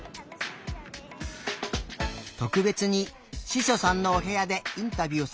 とくべつにししょさんのおへやでインタビューをさせてもらえることに。